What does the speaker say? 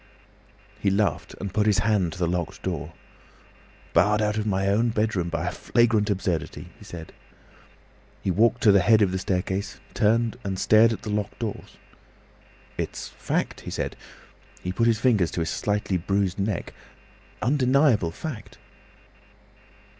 He laughed, and put his hand to the locked door. "Barred out of my own bedroom, by a flagrant absurdity!" he said. He walked to the head of the staircase, turned, and stared at the locked doors. "It's fact," he said. He put his fingers to his slightly bruised neck. "Undeniable fact!